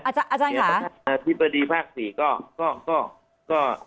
อาจารย์อาจารย์ค่ะที่ประดีภาคศรีก็ก็ก็ก็